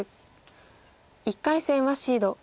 １回戦はシード。